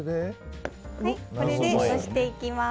これで蒸していきます。